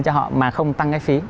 cho họ mà không tăng cái phí